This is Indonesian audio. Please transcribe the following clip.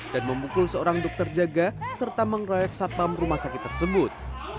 dan membukul seorang dokter jaga serta mengroyak satpam rumah sakit tersebut